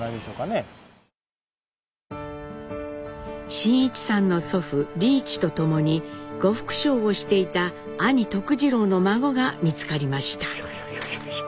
真一さんの祖父利一と共に呉服商をしていた兄徳治郎の孫が見つかりました。